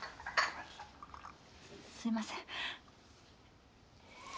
すいません。